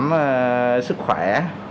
có sức khỏe